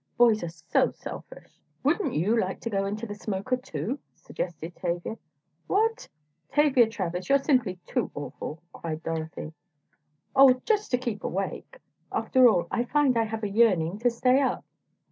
"Boys are so selfish." "Wouldn't you like to go into the smoker too?" suggested Tavia. "What! Tavia Travers, you're simply too awful!" cried Dorothy. "Oh, just to keep awake. After all, I find I have a yearning to stay up.